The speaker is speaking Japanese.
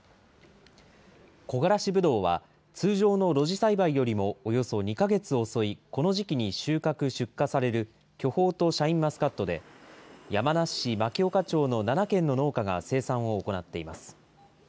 こがらしぶどうは、通常の露地栽培よりも、およそ２か月遅い、この時期に収穫・出荷される巨峰とシャインマスカットで、山梨市牧丘町の７軒の農家が生産を行っています。